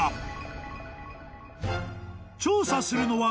［調査するのは］